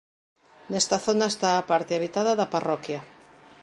Nesta zona está a parte habitada da parroquia.